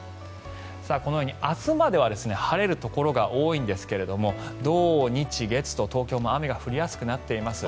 このように明日までは晴れるところが多いんですが土日月と、東京も雨が降りやすくなっています。